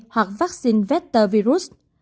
hoặc vaccine vector virus